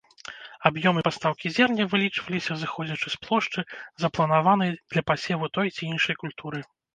Аб'ёмы пастаўкі зерня вылічваліся, сыходзячы з плошчы, запланаванай для пасеву той ці іншай культуры.